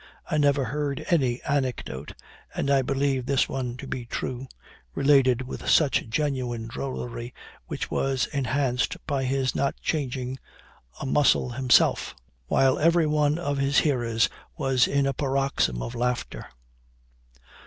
I never heard any anecdote (and I believe this one to be true) related with such genuine drollery, which was enhanced by his not changing a muscle himself, while every one of his hearers was in a paroxysm of laughter.